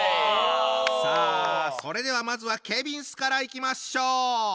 さあそれではまずはケビンスからいきましょう。